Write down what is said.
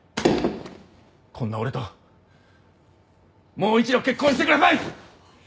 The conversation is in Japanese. こんな俺ともう一度結婚してください！